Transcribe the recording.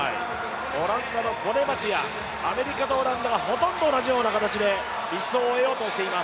オランダのボネバチア、アメリカとオランダがほとんど同じような形で１走を終えようとしています。